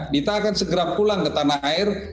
dita akan segera pulang ke tanah air